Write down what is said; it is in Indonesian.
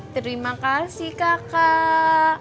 terima kasih kakak